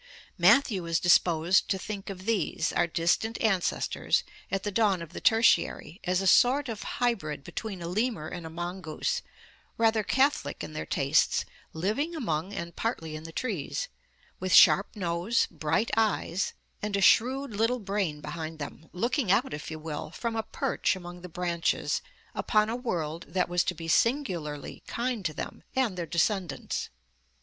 Matthew is " disposed to think of these, our distant ancestors, at the dawn of the Tertiary, as a sort of hybrid between a lemur and a mongoose, rather catholic in their tastes, living among and partly in the trees, with sharp nose, bright eyes and a shrewd little brain behind them, looking out, if you will, from a perch among the branches, upon a world that was to be sin gularly kind to them and their descendants."